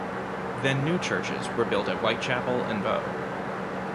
Then new churches were built at Whitechapel and Bow.